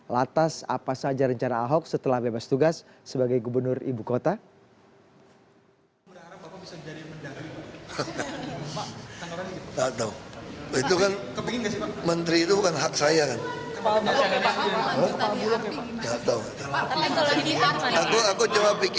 lantas apa saja rencana ahok setelah bebas tugas sebagai gubernur ibu kota